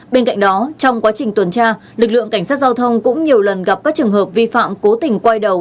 bên cạnh đó trong quá trình tuần tra lực lượng cảnh sát giao thông cũng nhiều lần gặp các trường hợp vi phạm cố tình quay đầu